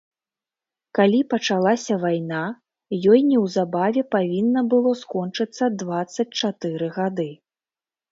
Калі пачалася вайна, ёй неўзабаве павінна было скончыцца дваццаць чатыры гады.